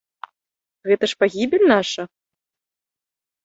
Гэта ж пагібель наша?